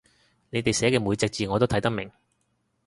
你哋寫嘅每隻字我都睇得明